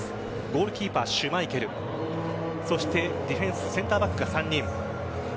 ゴールキーパーシュマイケルそしてディフェンスセンターバックが３人。